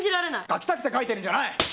書きたくて書いてるんじゃない！